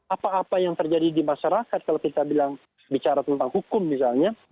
apa apa yang terjadi di masyarakat kalau kita bilang bicara tentang hukum misalnya